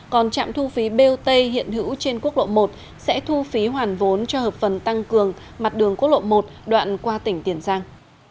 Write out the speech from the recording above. còn trạm thu phí bot hiện hữu trên quốc lộ một sẽ thu phí hoàn vốn cho hợp phần tăng cường mặt đường quốc lộ một đoạn qua tỉnh tiền giang